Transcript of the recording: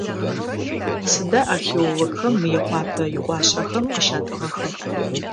Сыда археологхэм Мыекъуапэ иӏуашъхьэхэм къыщатӏыгъэр?